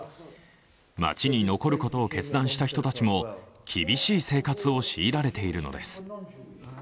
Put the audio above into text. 町に残ることを決断した人たちも厳しい生活を強いられているのです。